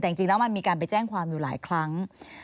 แต่จริงแล้วมันมีการไปแจ้งความอยู่หลายครั้ง